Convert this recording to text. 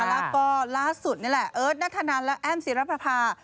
แล้วก็ล่าสุดนี่แหละเอิร์ทนัทธนันและแอ้มศิรปภา